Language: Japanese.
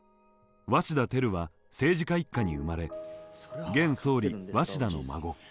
鷲田照は政治家一家に生まれ現総理鷲田の孫。